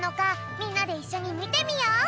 みんなでいっしょにみてみよう。